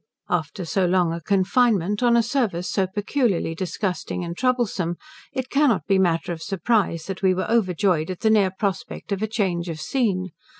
After so long a confinement, on a service so peculiarly disgusting and troublesome, it cannot be matter of surprise that we were overjoyed at the near prospect of a change of scene.